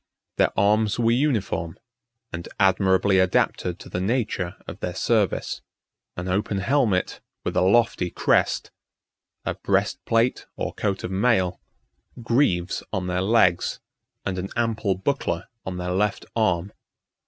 Their arms were uniform, and admirably adapted to the nature of their service: an open helmet, with a lofty crest; a breastplate, or coat of mail; greaves on their legs, and an ample buckler on their left arm.